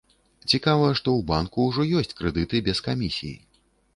Цікава, што ў банку ўжо ёсць крэдыты без камісій.